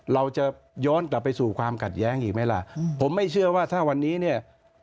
เราจะย้อนกลับไปสู่ความขัดแย้งอีกไหมล่ะผมไม่เชื่อว่าถ้าวันนี้เนี่ย